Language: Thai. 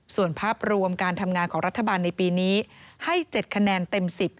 ส่วนภาพรวมการทำงานของรัฐบาลในปีนี้ให้๗คะแนนเต็ม๑๐